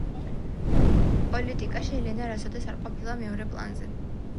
პოლიტიკაში ელენა არასოდეს არ ყოფილა მეორე პლანზე.